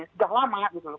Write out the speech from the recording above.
sudah lama gitu loh